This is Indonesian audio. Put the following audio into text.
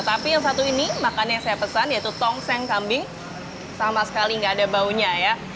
tapi yang satu ini makannya yang saya pesan yaitu tong seng kambing sama sekali nggak ada baunya